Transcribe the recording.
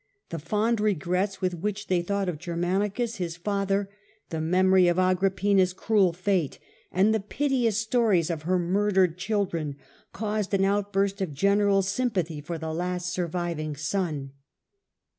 The fond regrets with which they thought of Germanicus, his father, the memory of Agrippina^s cruel fate, and the piteous stories of her murdered chil accession of dren, caused an outburst of general sympathy for the last surviving son.